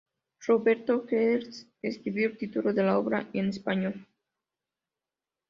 Roberto Gerhard escribió el título de la obra en español.